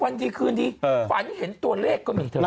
วันทีคืนที่ฝ่ายเห็นตัวเลขก็มีเท่าไหร่